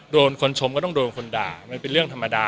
โดนคนชมก็ต้องโดนคนด่ามันเป็นเรื่องธรรมดา